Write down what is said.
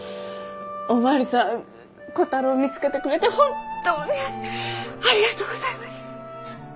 お巡りさん小太郎を見つけてくれて本当にありがとうございました！